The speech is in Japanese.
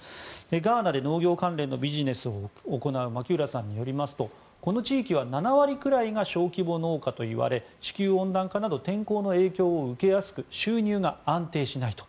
ガーナで農業関連のビジネスを行う牧浦さんによりますとこの地域は７割くらいが小規模農家といわれ地球温暖化など天候の影響を受けやすく収入が安定しないと。